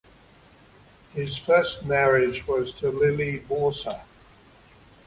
His first marriage was to Lily Borsa.